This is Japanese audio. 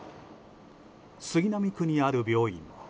杉並区にある病院。